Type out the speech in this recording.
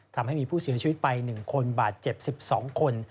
ทำให้มีผู้เสียชีวิตไป๑คนบาดเจ็บ๑๒คน